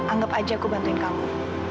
anggap aja aku bantuin kamu